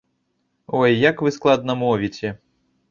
Ой, як вы складна мовіце!